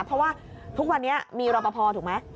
เพราะว่าทุกวันนี้มีรอปภถูกไหม